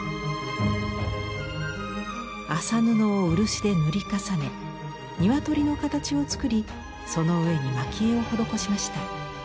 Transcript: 麻布を漆で塗り重ね鶏の形を作りその上に蒔絵を施しました。